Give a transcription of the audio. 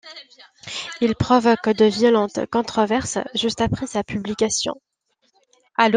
Il provoque de violentes controverses juste après sa publication.